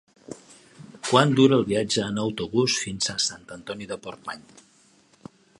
Quant dura el viatge en autobús fins a Sant Antoni de Portmany?